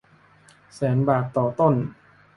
แสนบาทต่อต้น